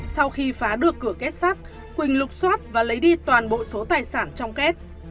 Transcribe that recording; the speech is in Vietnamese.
sau khi phá được cửa kết sắt quỳnh lục xoát và lấy đi toàn bộ số tài sản trong kết